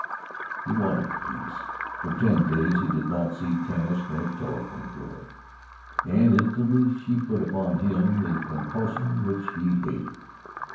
He wanted peace. For ten days he did not see Tanis nor telephone to her, and instantly she put upon him the compulsion which he hated.